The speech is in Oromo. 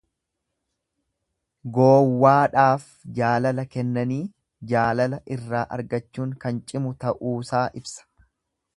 Goowwaadhaaf jaalala kennanii, jaalala irraa argachuun kan cimu ta'uusaa ibsa.